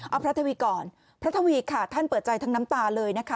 เอาพระทวีก่อนพระทวีค่ะท่านเปิดใจทั้งน้ำตาเลยนะคะ